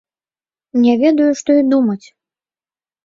Не ведаю, што і думаць.